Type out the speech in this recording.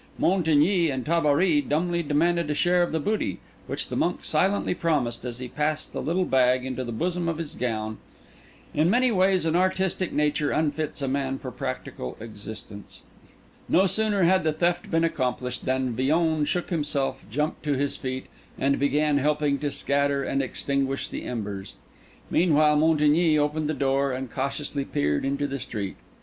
Montigny and Tabary dumbly demanded a share of the booty, which the monk silently promised as he passed the little bag into the bosom of his gown. In many ways an artistic nature unfits a man for practical existence. No sooner had the theft been accomplished than Villon shook himself, jumped to his feet, and began helping to scatter and extinguish the embers. Meanwhile Montigny opened the door and cautiously peered into the street.